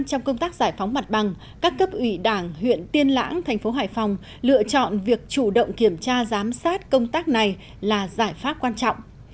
trong công tác giải phóng mặt bằng các cấp ủy đảng huyện tiên lãng thành phố hải phòng lựa chọn việc chủ động kiểm tra giám sát công tác này là giải pháp quan trọng